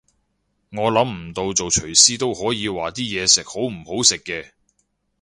我諗唔做廚師都可以話啲嘢食好唔好食嘅